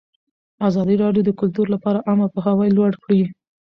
ازادي راډیو د کلتور لپاره عامه پوهاوي لوړ کړی.